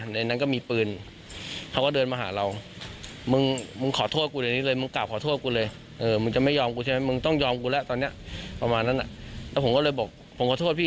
สังผ่านถึงเมื่อและต้องจะมาที่บริเวณ